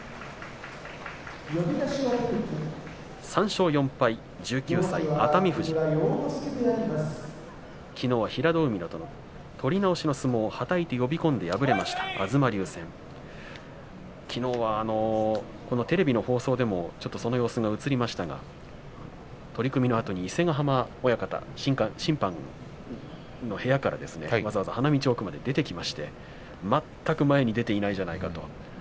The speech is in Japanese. ３勝４敗１９歳熱海富士きのうは平戸海と取り直しの相撲はたいて呼び込んで敗れました東龍戦きのうはこのテレビの放送でもちょっとその様子が映りましたが取組後に伊勢ヶ濱親方審判の部屋からわざわざ花道奥まで出てきまして全く前に出ていないじゃないかと。